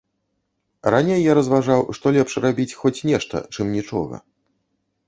Раней я разважаў, што лепш рабіць хоць нешта, чым нічога.